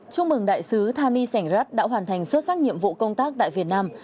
chúc mừng đại sứ thani sảnhrat đã hoàn thành xuất sắc nhiệm vụ công tác tại việt nam